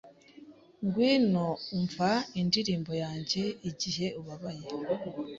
Ngwino umva indirimbo yanjye Igihe ubabaye